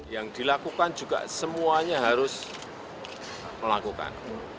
yang dilakukan juga semuanya harus melakukan